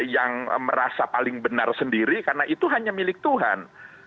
yang merasa paling benar sendiri karena itu hanya milik tuhan